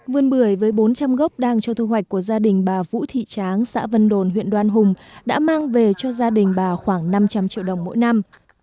vườn bưởi với bốn trăm linh gốc đang cho thu hoạch của gia đình bà vũ thị tráng xã vân đồn huyện đoan hùng đã mang về cho gia đình bà khoảng năm trăm linh triệu đồng mỗi năm